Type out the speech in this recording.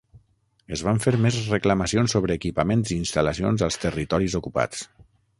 Es van fer més reclamacions sobre equipaments i instal·lacions als territoris ocupats.